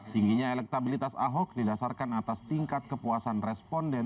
tingginya elektabilitas ahok didasarkan atas tingkat kepuasan responden